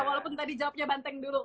walaupun tadi jawabnya banteng dulu